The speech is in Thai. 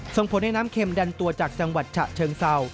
ส่งผลให้น้ำเข็มดันตัวจากจังหวัดฉะเชิงเศร้า